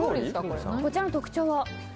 こちらの特徴は？